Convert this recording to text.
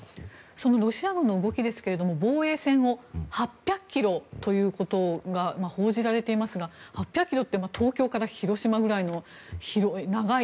そのロシア軍の動きですが防衛線が８００ｋｍということが報じられていますが８００ｋｍって東京から広島ぐらいの長い